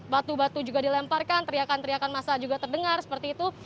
batu batu juga dilemparkan teriakan teriakan masa juga terdengar seperti itu